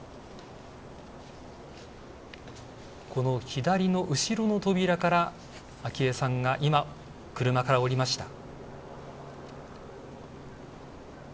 左の後ろの扉から昭恵さんが今、車から降りました。